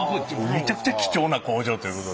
めちゃくちゃ貴重な工場ということで。